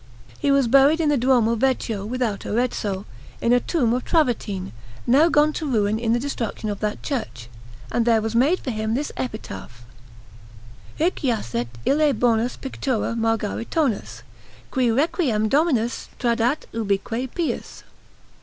He was buried in the Duomo Vecchio without Arezzo, in a tomb of travertine, now gone to ruin in the destruction of that church; and there was made for him this epitaph: HIC JACET ILLE BONUS PICTURA MARGARITONUS, CUI REQUIEM DOMINUS TRADAT UBIQUE PIUS.